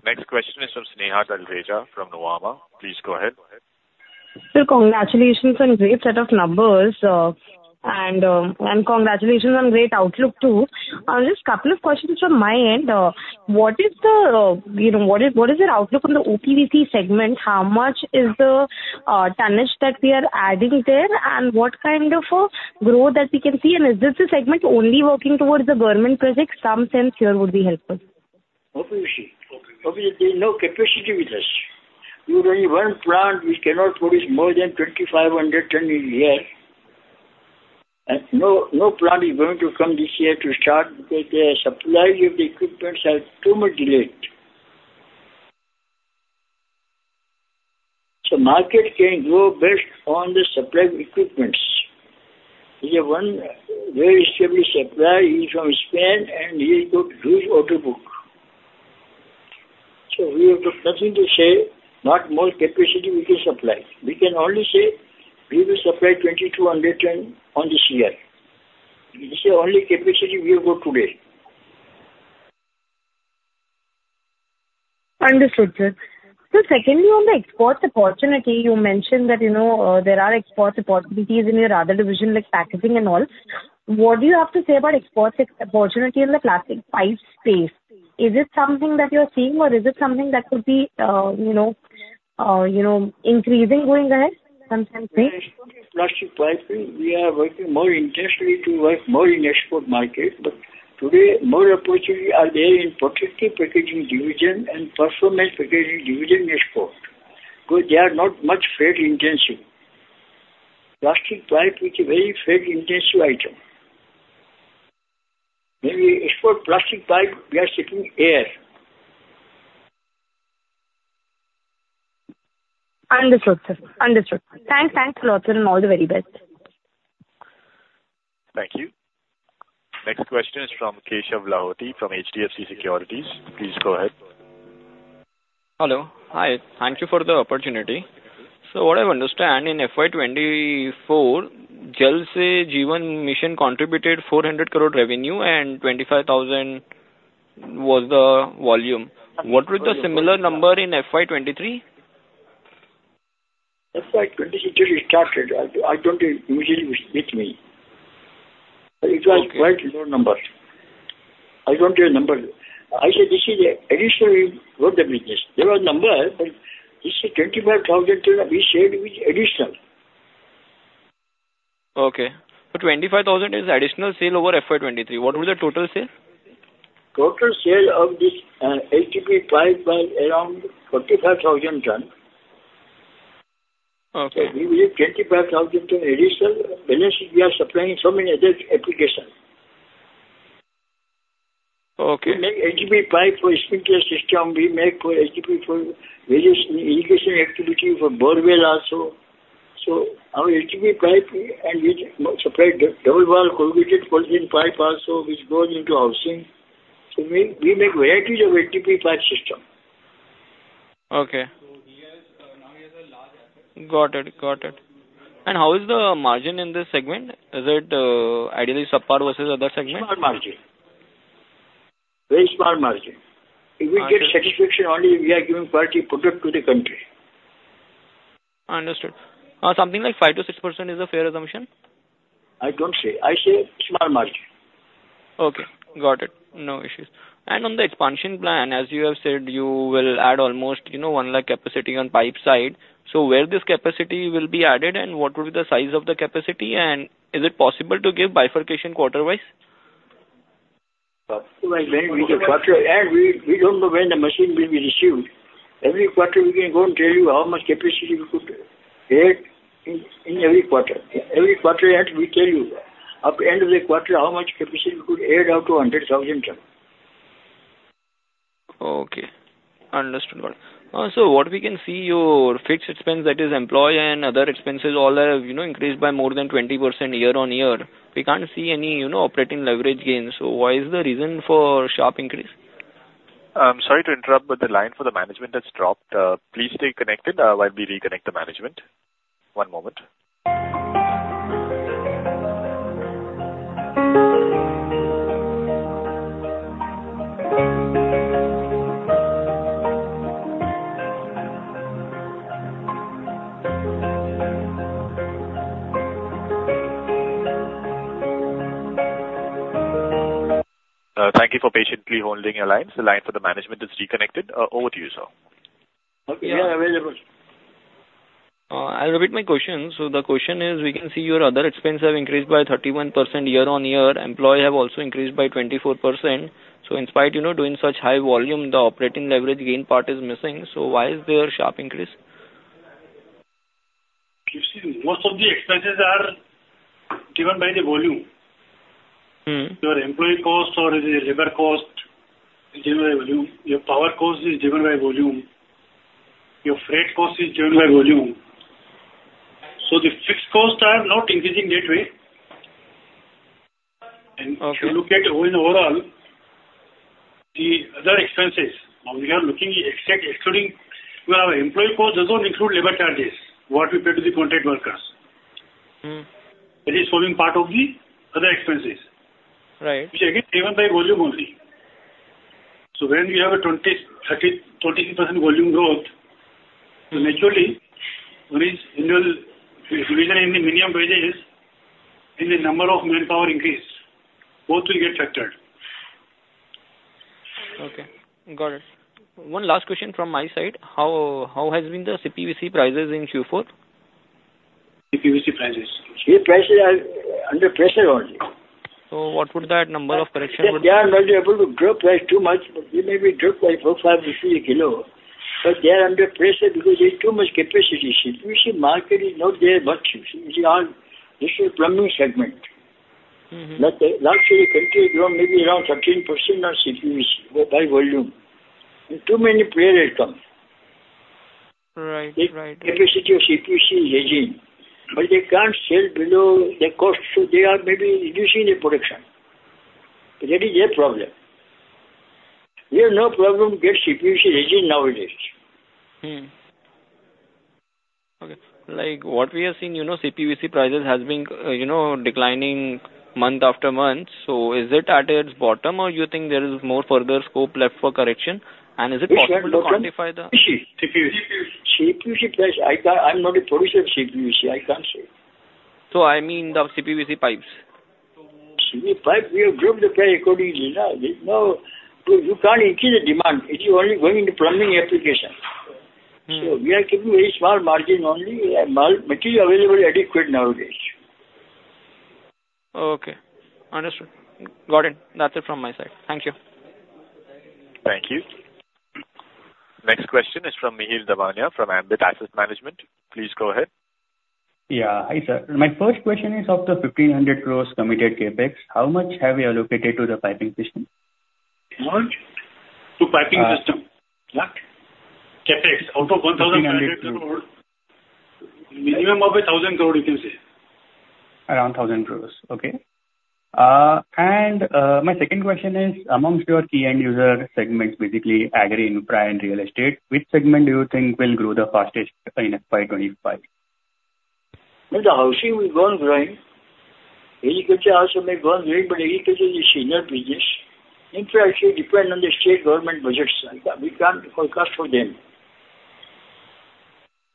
Next question is from Sneha Talreja from Nuvama. Please go ahead. Sir, congratulations on a great set of numbers, and congratulations on a great outlook too. Just a couple of questions from my end. What is your outlook on the OPVC segment? How much is the tonnage that we are adding there, and what kind of growth that we can see? And is this a segment only working towards the government project? Some sense here would be helpful.
Hopefully, there is no capacity with us. We're only one plant. We cannot produce more than 2,500 tons in a year. No plant is going to come this year to start because the supply of the equipments are too much delayed. So market can grow based on the supply of equipments. There's one very established supplier. He's from Spain, and he has got a huge order book. So we have got nothing to say, not more capacity we can supply. We can only say we will supply 2,200 tons this year. This is the only capacity we have got today. Understood, sir. So secondly, on the exports opportunity, you mentioned that there are exports opportunities in your other division, like packaging and all. What do you have to say about exports opportunity in the plastic pipe space? Is it something that you're seeing, or is it something that could be increasing going ahead sometimes? In exports of plastic piping, we are working more intensely to work more in export market. But today, more opportunities are there in protective packaging division and performance packaging division in export because they are not much fragmentation. Plastic pipe is a very fragmentation item. In export plastic pipe, we are selling there. Understood, sir. Understood. Thanks, thank you a lot, sir, and all the very best.
Thank you. Next question is from Keshav Lahoti from HDFC Securities. Please go ahead. Hello. Hi. Thank you for the opportunity. What I understand, in FY 2024, Jal Jeevan Mission contributed 400 crore revenue, and 25,000 was the volume. What with the similar number in FY 2023?
FY 2023, it's not. I don't usually reach me. It was quite low number. I don't have numbers. I said this is an additional growth in business. There was number, but this is 25,000. We said it was additional. Okay. So 25,000 is additional sale over FY 2023. What would the total sale be? Total sale of this SDP pipe was around 45,000 tons. So we will have 25,000 tons additional. Balance, we are supplying so many other applications. We make SDP pipe for sprinkler system. We make SDP for various irrigation activity for borewell also. So our SDP pipe, and we supply double-wall corrugated polyethylene pipe also, which goes into housing. So we make varieties of SDP pipe system. Okay.
So now he has a large asset. Got it. Got it. And how is the margin in this segment? Is it ideally SAPAR versus other segments?
Smart margin. Very smart margin. If we get satisfaction, only if we are giving quality product to the country. Understood. Something like 5%-6% is a fair assumption? I don't say. I say. Smart margin. Okay. Got it. No issues. And on the expansion plan, as you have said, you will add almost 100,000 capacity on pipe side. So where this capacity will be added, and what would be the size of the capacity? And is it possible to give bifurcation quarter-wise? Quarter-wise, maybe we can quarter. We don't know when the machine will be received. Every quarter, we can go and tell you how much capacity we could add in every quarter. Every quarter, we tell you at the end of the quarter how much capacity we could add out to 100,000 tons. Okay. Understood. So what we can see, your fixed expense that is employee and other expenses, all have increased by more than 20% year-on-year. We can't see any operating leverage gains. So why is the reason for sharp increase?
I'm sorry to interrupt, but the line for the management has dropped. Please stay connected while we reconnect the management. One moment. Thank you for patiently holding your line. The line for the management is reconnected. Over to you, sir.
Okay. Yeah, available. I'll repeat my question. The question is, we can see your other expenses have increased by 31% year-on-year. Employee expenses have also increased by 24%. In spite of doing such high volume, the operating leverage gain part is missing. Why is there a sharp increase? You see, most of the expenses are given by the volume. Your employee cost, or is it labor cost, is given by volume. Your power cost is given by volume. Your freight cost is given by volume. So the fixed costs are not increasing that way. And if you look at all in overall, the other expenses, now we are looking excluding our employee cost, does not include labor charges, what we pay to the contract workers. That is forming part of the other expenses, which again is given by volume only. So when we have a 26% volume growth, so naturally, when it's annual revision in the minimum wages, and the number of manpower increases, both will get factored. Okay. Got it. One last question from my side. How has been the CPVC prices in Q4? CPVC prices? The prices are under pressure only. What would that number of correction? Yes, they are not able to drop price too much, but they maybe drop by 4, 5, 6 a kilo. But they are under pressure because there is too much capacity. CPVC market is not there much. It's all just a plumbing segment. Industry CAGR maybe around 13% on CPVC by volume. And too many players come. The capacity of CPVC is hedging. But they can't sell below their cost, so they are maybe reducing their production. But that is their problem. We have no problem getting CPVC hedging nowadays. Okay. What we have seen, CPVC prices have been declining month after month. So is it at its bottom, or do you think there is more further scope left for correction? And is it possible to quantify the? CPVC. CPVC. CPVC price. I'm not a producer of CPVC. I can't say. So I mean the CPVC pipes. CPVC pipe, we have dropped the price accordingly. Now, you can't increase the demand. It is only going into plumbing application. So we are keeping very small margin only. Material available is adequate nowadays. Okay. Understood. Got it. That's it from my side. Thank you.
Thank you. Next question is from Mihir Damania from Ambit Asset Management. Please go ahead. Yeah. Hi, sir. My first question is, of the 1,500 crore committed Capex, how much have we allocated to the piping system?
What? To piping system? What? CapEx. Out of INR 1,500 crores, minimum of INR 1,000 crores, you can say. Around 1,000 crore. Okay. My second question is, among your key end-user segments, basically agri, infra, and real estate, which segment do you think will grow the fastest in FY 2025? The housing will go on growing. Irrigation also may go on growing, but irrigation is a seasonal business. Infra actually depends on the state government budgets. We can't forecast for them.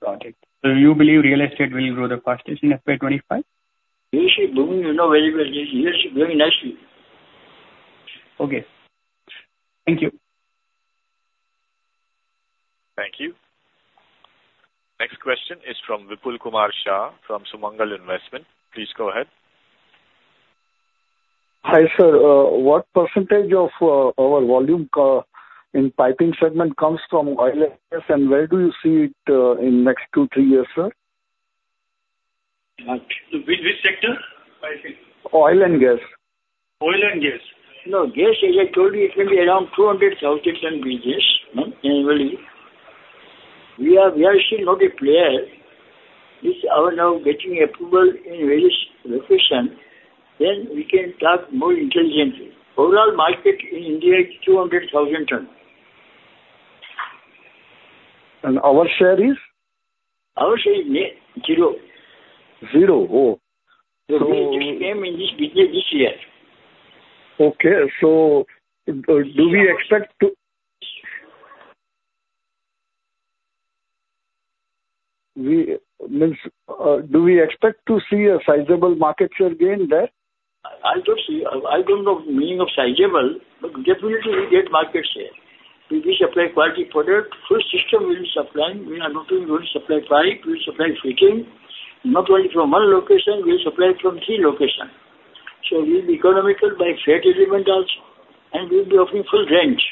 Got it. So you believe real estate will grow the fastest in FY 2025? doing very well. Here she's doing nicely. Okay. Thank you.
Thank you. Next question is from Vipul Shah from Sumangal Investment. Please go ahead. Hi, sir. What percentage of our volume in piping segment comes from oil and gas, and where do you see it in the next 2-3 years, sir?
Which sector? Oil and gas. Oil and gas. No. Gas, as I told you, it can be around 200,000 tons annually. We are still not a player. If we are now getting approval in various locations, then we can talk more intelligently. Overall market in India is 200,000 tons. And our share is? Our share is zero. Zero? Oh. So we just came in this business this year. Okay. So do we expect to? Means, do we expect to see a sizable market share gain there? I don't know the meaning of sizable, but definitely, we get market share. We supply quality product. Full system we will supply. We are not only going to supply pipe. We will supply fitting. Not only from one location. We will supply from three locations. So we'll be economical by freight element also, and we'll be offering full range.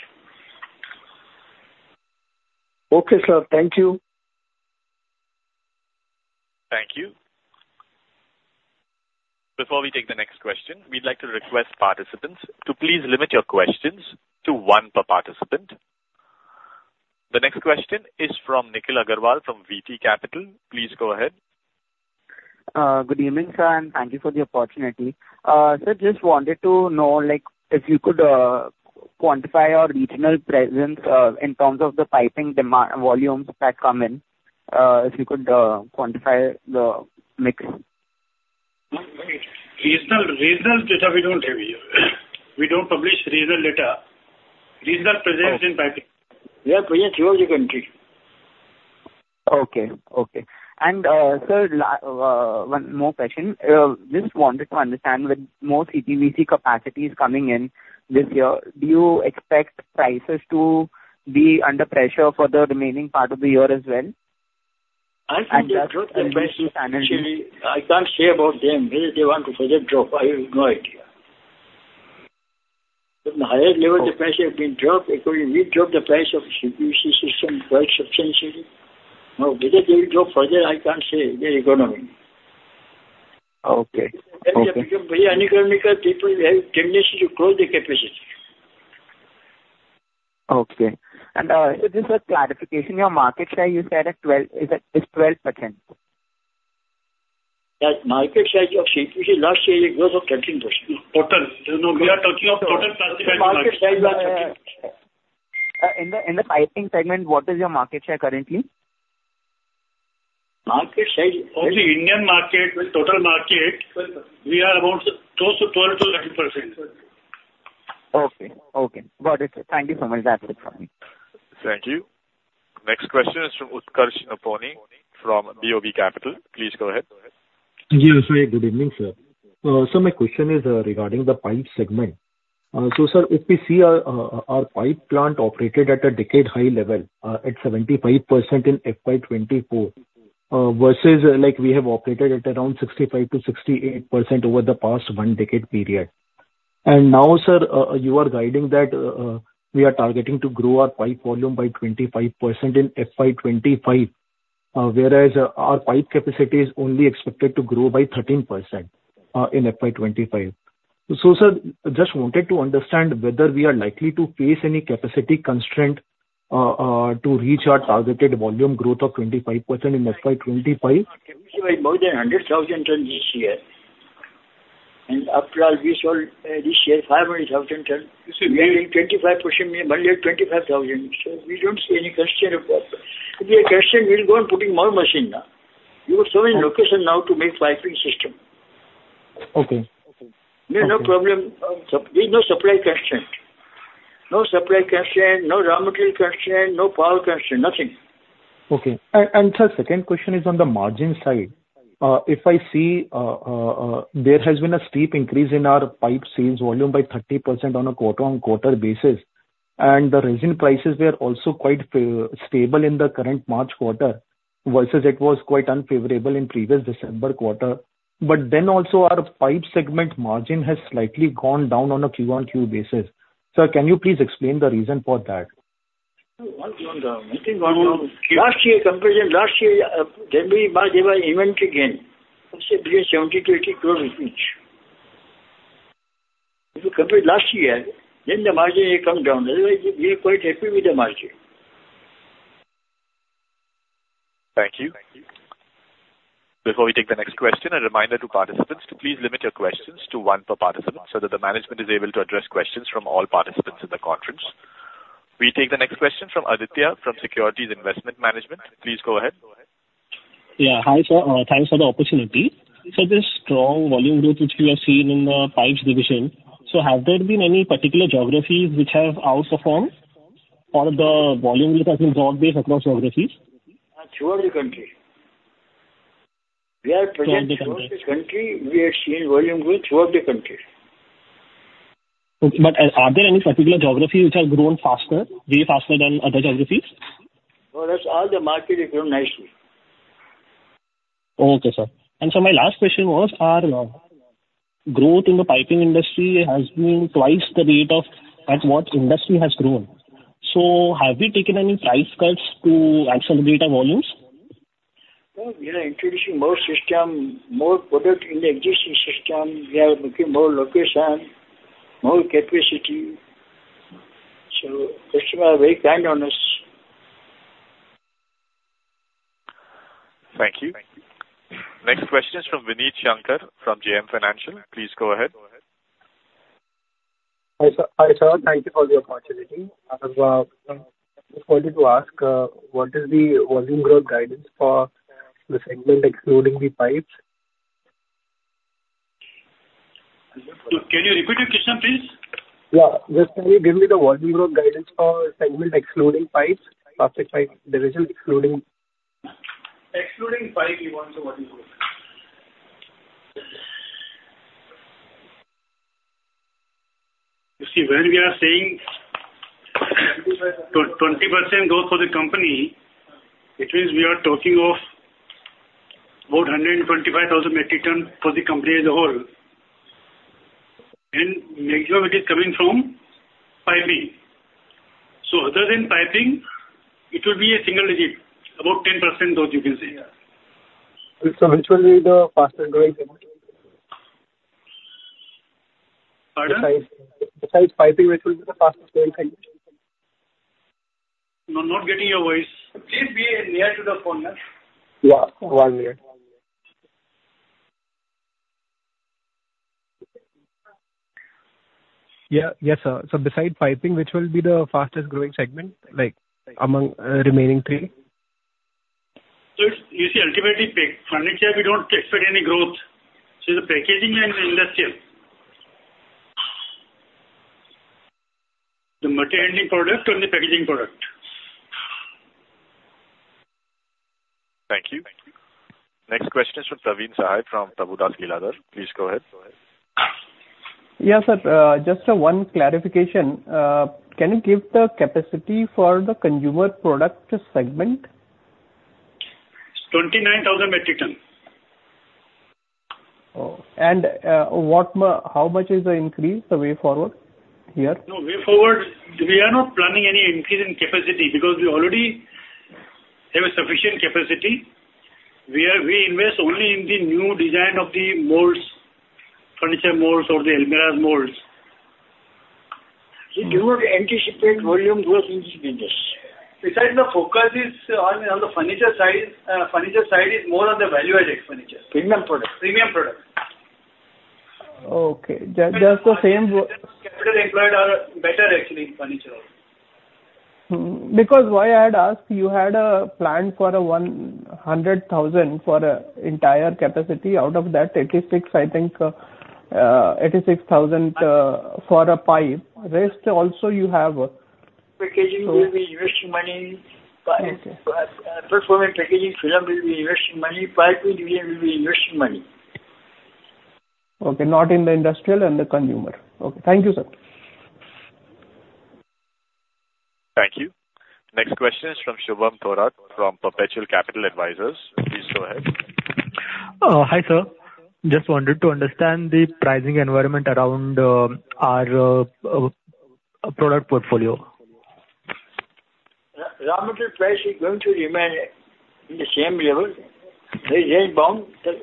Okay, sir. Thank you.
Thank you. Before we take the next question, we'd like to request participants to please limit your questions to one per participant. The next question is from Nikhil Agarwal from VT Capital. Please go ahead. Good evening, sir. Thank you for the opportunity. Sir, just wanted to know if you could quantify our regional presence in terms of the piping volumes that come in, if you could quantify the mix.
Regional data we don't have here. We don't publish regional data. Regional presence in piping. Yeah. Presence throughout the country. Okay. Okay. And sir, one more question. Just wanted to understand, with more CPVC capacities coming in this year, do you expect prices to be under pressure for the remaining part of the year as well? I think they've dropped the price. I can't say about them. Whether they want to further drop, I have no idea. But the higher level the price has been dropped, we've dropped the price of the CPVC system quite substantially. Now, whether they will drop further, I can't say. They're economical. Okay. Okay. Very uneconomical people have a tendency to close the capacity. Okay. Just for clarification, your market share, you said it's 12%? Market share of CPVC last year, it was 13%. Total. We are talking of total plastic piping market. Market share you are talking about? In the piping segment, what is your market share currently? Market share of the Indian market, total market, we are close to 12%-13%. Okay. Okay. Got it, sir. Thank you so much. That's it from me.
Thank you. Next question is from Utkarsh Nopany from BOB Capital Markets. Please go ahead. Yeah. So, good evening, sir. So, my question is regarding the pipe segment. So, sir, if we see our pipe plant operated at a decade-high level at 75% in FY 2024 versus we have operated at around 65%-68% over the past one decade period. And now, sir, you are guiding that we are targeting to grow our pipe volume by 25% in FY 2025, whereas our pipe capacity is only expected to grow by 13% in FY 2025. So, sir, just wanted to understand whether we are likely to face any capacity constraint to reach our targeted volume growth of 25% in FY 2025.
We supply more than 100,000 tons this year. And after all, we sold this year 500,000 tons. We are doing 25%. We have 25,000. So we don't see any constraint. If we have constraint, we'll go and put in more machine now. We have so many locations now to make piping system. Okay. Okay. No problem. There is no supply constraint. No supply constraint. No raw material constraint. No power constraint. Nothing. Okay. And sir, second question is on the margin side. If I see there has been a steep increase in our pipe sales volume by 30% on a quarter-over-quarter basis, and the resin prices were also quite stable in the current March quarter versus it was quite unfavorable in previous December quarter, but then also our pipe segment margin has slightly gone down on a Q-over-Q basis. Sir, can you please explain the reason for that? In the meeting last year, compared to last year, when we invest again, it's between INR 70-80 crore each. If you compare last year, then the margin has come down. Otherwise, we're quite happy with the margin.
Thank you. Before we take the next question, a reminder to participants to please limit your questions to one per participant so that the management is able to address questions from all participants in the conference. We take the next question from Aditya from Securities Investment Management. Please go ahead. Yeah. Hi, sir. Thanks for the opportunity. So, this strong volume growth which we have seen in the pipes division, so have there been any particular geographies which have outperformed or the volume growth has been dropped based across geographies?
Throughout the country. We are present throughout the country. We have seen volume growth throughout the country. Okay. But are there any particular geographies which have grown faster, way faster than other geographies? For us, all the market has grown nicely. Okay, sir. So, my last question was, growth in the piping industry has been twice the rate of at what industry has grown? So have we taken any price cuts to accelerate our volumes? No. We are introducing more system, more product in the existing system. We are looking more location, more capacity. So customers are very kind on us.
Thank you. Next question is from Vineet Shankar from JM Financial. Please go ahead. Hi, sir. Thank you for the opportunity. I just wanted to ask, what is the volume growth guidance for the segment excluding the pipes?
Can you repeat your question, please? Yeah. Just can you give me the volume growth guidance for segment excluding pipes, plastic pipe division excluding? Excluding pipe, we want the volume growth. You see, when we are saying 20% growth for the company, it means we are talking of about 125,000 metric tons for the company as a whole. The majority is coming from piping. Other than piping, it will be a single digit, about 10% growth, you can say. Which will be the fastest growing segment? Pardon? Besides piping, which will be the fastest growing segment? No, not getting your voice. Please be near to the phone now. Yeah. One minute. Yeah. Yes, sir. So besides piping, which will be the fastest growing segment among remaining three? Sir, you see, ultimately, for NetGap, we don't expect any growth. So it's the packaging and industrial, the material handling product and the packaging product.
Thank you. Next question is from Praveen Sahay from Prabhudas Lilladher. Please go ahead. Yes, sir. Just one clarification. Can you give the capacity for the consumer product segment?
29,000 metric tons. Oh. How much is the increase a way forward here? No, way forward, we are not planning any increase in capacity because we already have a sufficient capacity. We invest only in the new design of the molds, furniture molds, or the almirah molds. You do not anticipate volume growth in this business? Besides, the focus is on the furniture side. Furniture side is more on the value-added furniture. Premium products? Premium products. Okay. Just the same. Capital employed are better, actually, in furniture. Because why I had asked, you had a plan for 100,000 for entire capacity. Out of that, 86, I think, 86,000 for a pipe. Rest, also, you have. Packaging will be investing money. Performance packaging film will be investing money. Piping division will be investing money. Okay. Not in the industrial and the consumer. Okay. Thank you, sir.
Thank you. Next question is from Shubham Thorat from Perpetual Capital Advisors. Please go ahead. Hi, sir. Just wanted to understand the pricing environment around our product portfolio.
Raw material price, it's going to remain in the same level. There is any bound, plus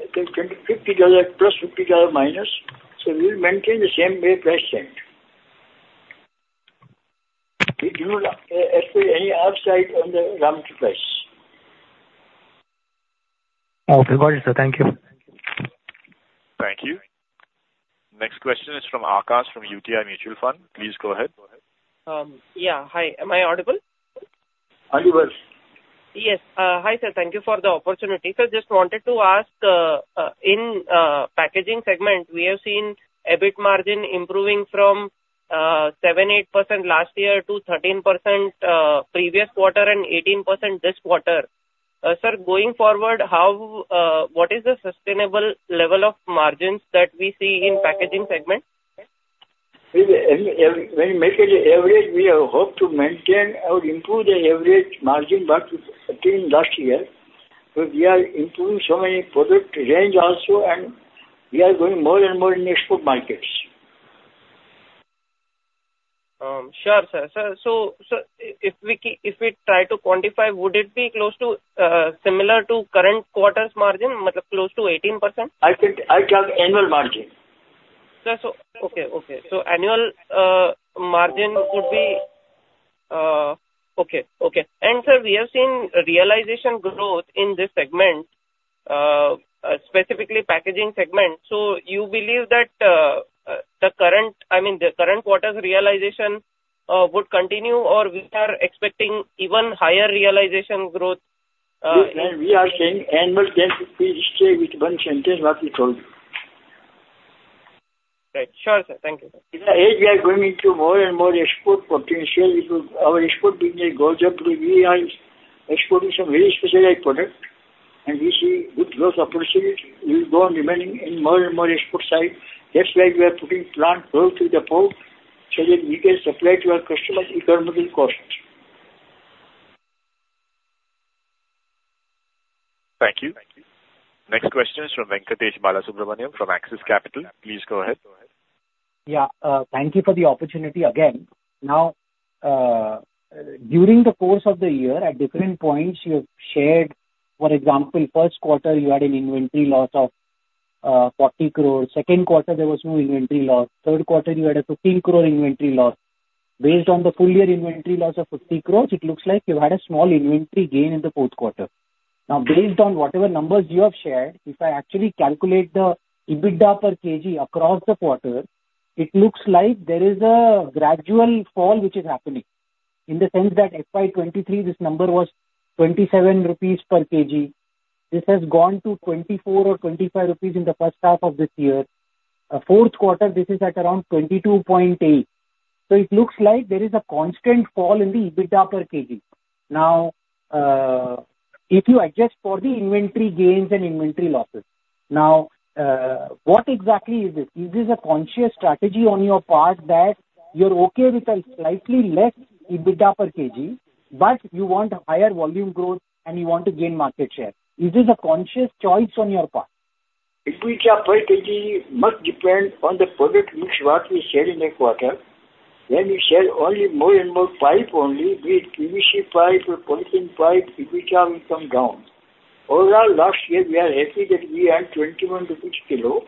$50, minus. So we'll maintain the same way price change. We do not expect any upside on the raw material price. Okay. Got it, sir. Thank you.
Thank you. Next question is from Akash from UTI Mutual Fund. Please go ahead. Yeah. Hi. Am I audible?
Audible. Yes. Hi, sir. Thank you for the opportunity. Sir, just wanted to ask, in packaging segment, we have seen EBIT margin improving from 7%-8% last year to 13% previous quarter and 18% this quarter. Sir, going forward, what is the sustainable level of margins that we see in packaging segment? When we make an average, we hope to improve the average margin back to 13% last year because we are improving so many product range also, and we are going more and more in export markets. Sure, sir. Sir, so if we try to quantify, would it be similar to current quarter's margin, close to 18%? I talk annual margin. Sir, annual margin would be okay. And sir, we have seen realization growth in this segment, specifically packaging segment. So you believe that the current, I mean, the current quarter's realization would continue, or we are expecting even higher realization growth? We are saying annual growth. Please stay with one sentence, what we told you. Right. Sure, sir. Thank you. At this stage, we are going into more and more export potential because our export business grows up. We are exporting some very specialized products, and we see good growth opportunities. We will go on remaining in more and more export side. That's why we are putting plant growth through the port so that we can supply to our customers economical costs.
Thank you. Next question is from Venkatesh Balasubramaniam from Axis Capital. Please go ahead. Yeah. Thank you for the opportunity again. Now, during the course of the year, at different points, you have shared, for example, first quarter, you had an inventory loss of 40 crore. Second quarter, there was no inventory loss. Third quarter, you had a 15 crore inventory loss. Based on the full-year inventory loss of 50 crore, it looks like you had a small inventory gain in the fourth quarter. Now, based on whatever numbers you have shared, if I actually calculate the EBITDA per kg across the quarter, it looks like there is a gradual fall which is happening in the sense that FY 2023, this number was 27 rupees per kg. This has gone to 24 or 25 rupees in the first half of this year. Fourth quarter, this is at around 22.8. So it looks like there is a constant fall in the EBITDA per kg. Now, if you adjust for the inventory gains and inventory losses, now, what exactly is this? Is this a conscious strategy on your part that you're okay with a slightly less EBITDA per kg, but you want higher volume growth, and you want to gain market share? Is this a conscious choice on your part?
EBITDA per kg must depend on the product which was shared in that quarter. When we share only more and more pipe only, be it PVC pipe or polythene pipe, EBITDA will come down. Overall, last year, we are happy that we earned 21 rupees per kg,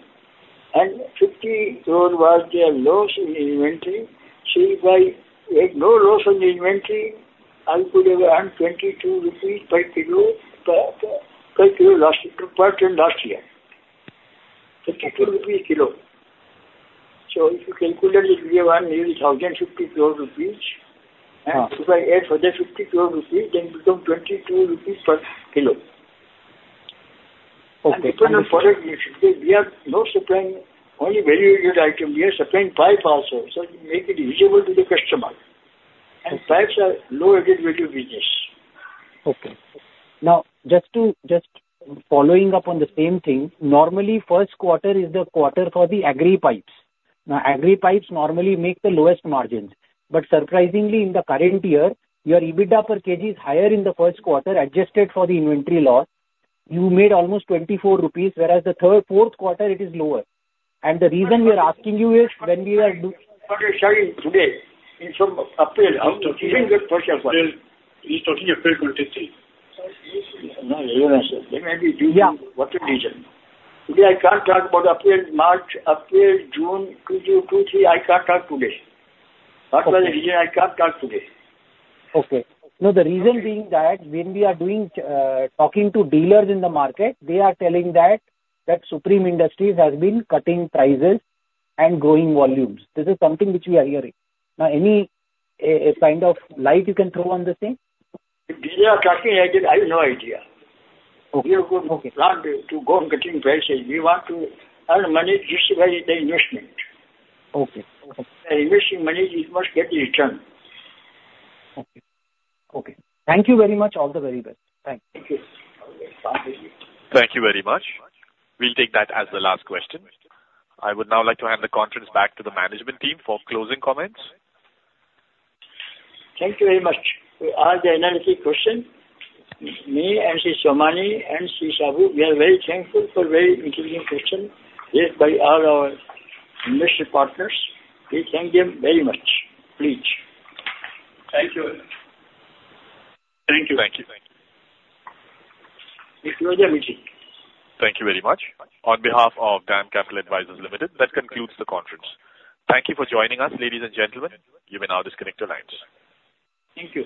and 50 crore was the loss in inventory. So if I had no loss on inventory, I could have earned 22 rupees per kg last year per ton last year, 52 rupees per kg. So if you calculate, we have earned nearly 1,050 crore rupees. And if I add further 50 crore rupees, then it becomes 22 rupees per kg. And depending on product initiative, we are not supplying only value-added item. We are supplying pipes also, so we make it usable to the customer. Pipes are low added-value business. Okay. Now, just following up on the same thing, normally, first quarter is the quarter for the agri pipes. Now, agri pipes normally make the lowest margins. But surprisingly, in the current year, your EBITDA per kg is higher in the first quarter, adjusted for the inventory loss. You made almost 24 rupees, whereas the fourth quarter, it is lower. And the reason we are asking you is when we are doing. What you're sharing today in April, I'm talking about the first half of. He's talking April 23. No, you're not, sir. They may be doing whatever region. Today, I can't talk about April, March, April, June, Q2, Q3. I can't talk today. What was the region? I can't talk today. Okay. Now, the reason being that when we are talking to dealers in the market, they are telling that Supreme Industries has been cutting prices and growing volumes. This is something which we are hearing. Now, any kind of light you can throw on this thing? If dealers are talking, I have no idea. We are going to plan to go on cutting prices. We want to earn money just by the investment. The investing money, it must get the return. Okay. Okay. Thank you very much. All the very best. Thanks. Thank you.
Thank you very much. We'll take that as the last question. I would now like to hand the conference back to the management team for closing comments.
Thank you very much. All the analyst questions, me and P.C. Somani and R.J. Sabu, we are very thankful for very interesting questions given by all our industry partners. We thank them very much. Please. Thank you. Thank you.
Thank you.
We close the meeting.
Thank you very much. On behalf of DAM Capital Advisors Limited, that concludes the conference. Thank you for joining us, ladies and gentlemen. You may now disconnect your lines.
Thank you.